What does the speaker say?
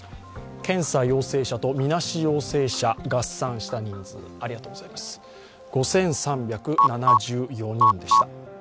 検査陽性者とみなし陽性者合算した人数、５３７４人でした。